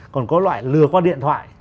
còn có loại lừa qua điện thoại